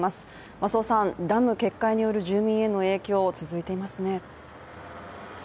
増尾さん、ダム決壊による住民への影響、続いていますね。